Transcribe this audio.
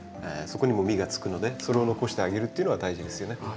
そこにも実がつくのでそれを残してあげるっていうのは大事ですよね。